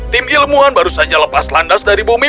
tim ilmuwan baru saja lepas landas dari bumi